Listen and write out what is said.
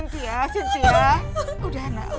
karena dia menomlar